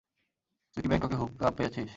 তুই কি ব্যাংককে হুক আপ পেয়েছিস।